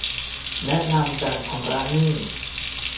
แนะนำการชำระหนี้